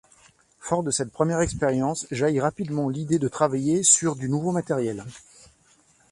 Fort de cette première expérience, jaillit rapidement l'idée de travailler sur du nouveau matériel.